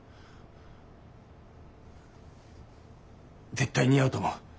絶対似合うと思う。